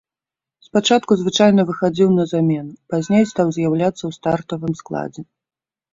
Спачатку звычайна выхадзіў на замену, пазней стаў з'яўляцца ў стартавым складзе.